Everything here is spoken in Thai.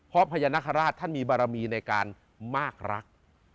เพราะพญานาคาราชท่านมีบารมีในการมากรัก